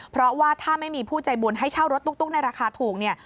เพราะว่าถ้าไม่มีผู้ใจบุญให้เช่ารถตุ๊กในราคาถูกเนี่ย